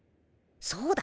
そうだ。